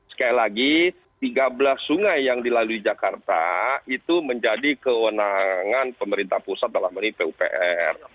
sekali lagi tiga belas sungai yang dilalui jakarta itu menjadi kewenangan pemerintah pusat dalam hal ini pupr